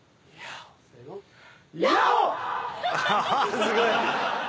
すごい。